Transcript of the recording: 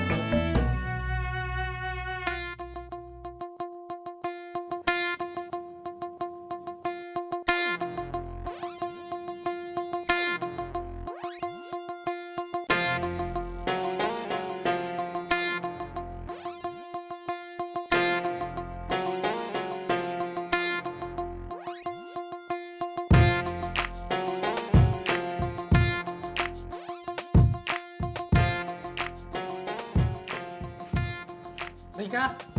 iya lu pake